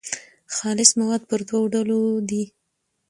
خالص مواد پر دوو ډولو دي.